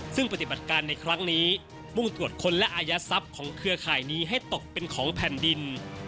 ซึ่งปฏิบัติการในครั้งนี้มุ่งตรวจค้นและอายัดทรัพย์ของเครือข่ายนี้ให้ตกเป็นของแผ่นดิน